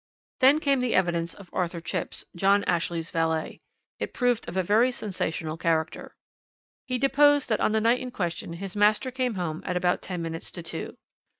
"Then came the evidence of Arthur Chipps, John Ashley's valet. It proved of a very sensational character. "He deposed that on the night in question his master came home at about ten minutes to two.